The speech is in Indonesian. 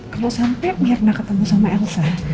kalau sampai mirna ketemu sama elsa